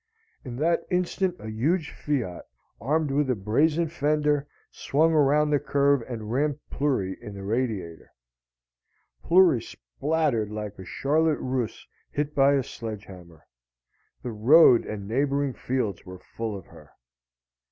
In that instant a huge Fiat, armed with a brazen fender, swung around the curve and rammed Plury in the radiator. Plury splattered like a charlotte russe hit by a sledgehammer. The road and neighboring fields were full of her.